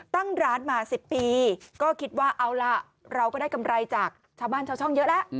ตั้งร้านมา๑๐ปีก็คิดว่าเอาล่ะเราก็ได้กำไรจากชาวบ้านชาวช่องเยอะแล้ว